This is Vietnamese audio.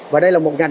và đây là một ngành